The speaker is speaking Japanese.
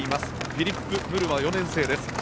フィリップ・ムルワ４年生です。